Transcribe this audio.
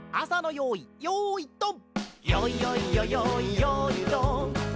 「よいよいよよいよーいドン」